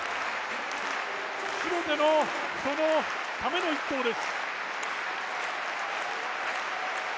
全てのための１投です。